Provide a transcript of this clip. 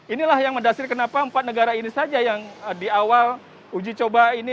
inilah yang mendasar kenapa empat negara ini saja yang di awal uji coba ini